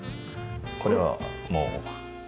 これはもう妻が。